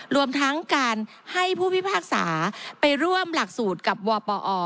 รวมทั้งการให้ผู้พิพากษาไปร่วมหลักสูตรกับวปอ